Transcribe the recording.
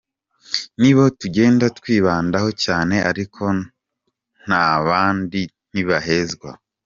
Nibo tugenda twibandaho cyane ariko n’abandi ntibahezwa.